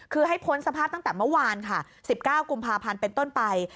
คือให้พ้นสภาพตั้งแต่เมื่อวานค่ะ๑๙กุมภาพันธ์เป็นต้นไป